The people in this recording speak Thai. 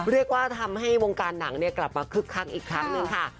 เรียกว่าทำให้วงการหนังกลับมาคึกคักอีกครั้งหนึ่งค่ะ